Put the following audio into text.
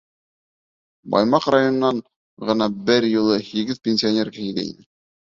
Баймаҡ районынан ғына бер юлы һигеҙ пенсионер килгәйне.